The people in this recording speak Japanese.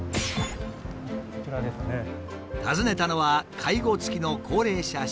訪ねたのは介護付きの高齢者施設。